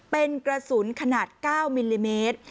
เป็นกระสุนขนาด๙มิลลิเมตร